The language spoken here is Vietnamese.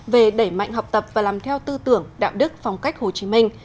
về đẩy mạnh học tập và làm theo tư tưởng đạo đức phong cách hồ chí minh